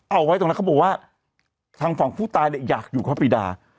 เอาไว้ตรงนั้นเขาบอกว่าทางฝั่งผู้ตายเนี่ยอยากอยู่พระปีดา